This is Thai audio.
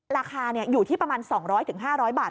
ราคาอยู่ที่ประมาณ๒๐๐๕๐๐บาท